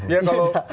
ya kalau pak prabowo